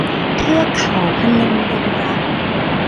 เทือกเขาพนมดงรัก